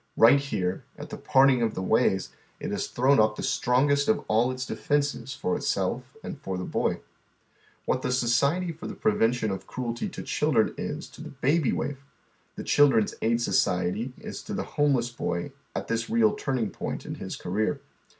Eight here, at the parting of the ways, it has thrown up the strongest of all its defences for itself and for the boy. What the Society for the Prevention of Cruelty to Children is to the baby waif, tlie Chiidren's Aid Society is to the homeless boy at this real tnrning point in his career.